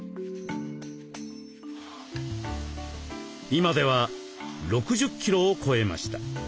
今では６０キロを超えました。